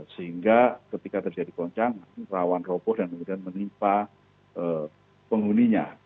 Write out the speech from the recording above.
sehingga ketika terjadi goncangan rawan roboh dan kemudian menimpa penghuninya